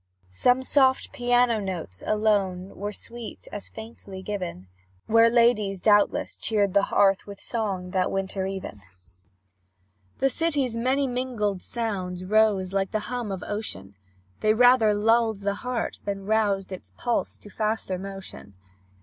Some soft piano notes alone Were sweet as faintly given, Where ladies, doubtless, cheered the hearth With song that winter even. The city's many mingled sounds Rose like the hum of ocean; They rather lulled the heart than roused Its pulse to faster motion.